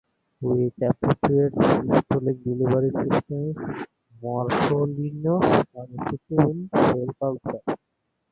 With appropriate cytosolic delivery systems, Morpholinos are effective in cell culture.